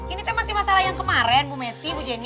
ini masih masalah yang kemarin bu messi bu jenny